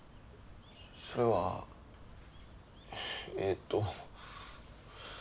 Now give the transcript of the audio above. それはえっと。